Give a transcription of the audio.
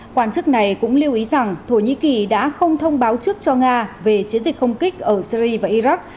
quản chức này cũng lưu ý rằng thổ nhĩ kỳ đã không thông báo trước cho nga về chiến dịch không kích ở syri và iraq